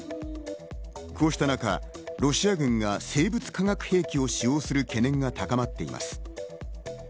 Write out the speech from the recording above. こうしたなかロシア軍が生物・化学兵器を使用する懸念が高まっています。